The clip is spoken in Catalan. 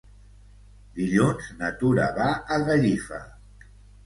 Dilluns na Tura va a Gallifa.